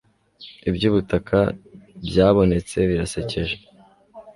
ibyubutaka byabonetse birasekeje